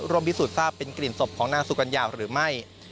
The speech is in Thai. พิสูจนทราบเป็นกลิ่นศพของนางสุกัญญาหรือไม่